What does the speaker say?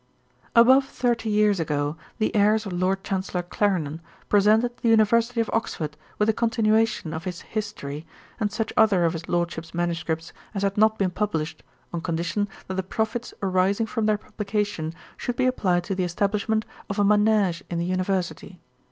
Above thirty years ago, the heirs of Lord Chancellor Clarendon presented the University of Oxford with the continuation of his History, and such other of his Lordship's manuscripts as had not been published, on condition that the profits arising from their publication should be applied to the establishment of a Manège in the University.